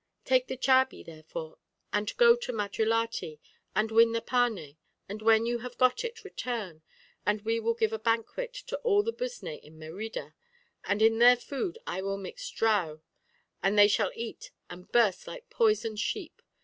Take the chabí, therefore, and go to Madrilati to win the parné; and when you have got it, return, and we will give a banquet to all the Busné in Merida, and in their food I will mix drao, and they shall eat and burst like poisoned sheep....